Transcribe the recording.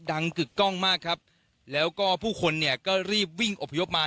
กึกกล้องมากครับแล้วก็ผู้คนเนี่ยก็รีบวิ่งอบพยพมา